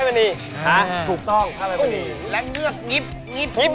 และเงือกงิบ